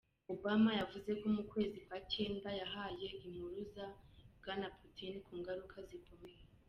Obama yavuze ko mu kwezi kwa Cyenda yahaye impuruza bwana Putin ku ngaruka zikomeye.